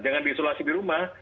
jangan diisolasi di rumah